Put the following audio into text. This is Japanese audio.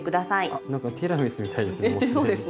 なんかティラミスみたいですね。